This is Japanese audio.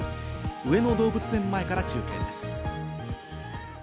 上野動物園前から中継です。